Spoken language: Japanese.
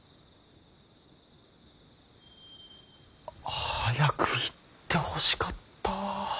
早く言ってほしかった。